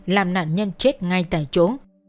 làm nạn nhân chết ngay tại chỗ